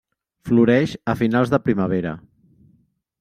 Floreix a finals de primavera.